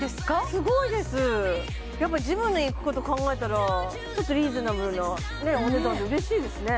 すごいですやっぱジムに行くこと考えたらちょっとリーズナブルなお値段で嬉しいですね